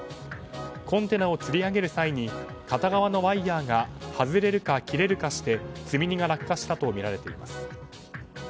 コンテナをつり上げる際に片側のワイヤが外れるか、切れるかして積み荷が落下したとみられています。